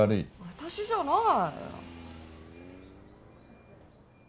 私じゃない！